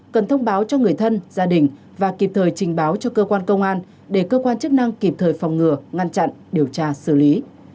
cần thông báo cho người thân gia đình và kịp thời trình báo cho cơ quan công an để cơ quan chức năng kịp thời phòng ngừa ngăn chặn điều tra xử lý